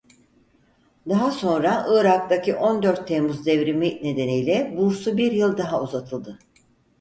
Daha sonra Irak'taki on dört Temmuz Devrimi nedeniyle bursu bir yıl daha uzatıldı.